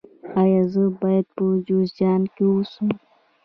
ایا زه باید په جوزجان کې اوسم؟